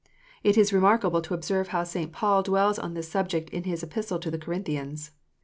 It is remarkable to observe how St. Paul dwells on this subject in his Epistle to the Corinthians.